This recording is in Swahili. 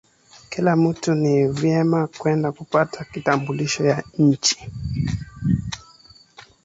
Kila mutu ni vema kwenda kupata kitambulisho ya inchi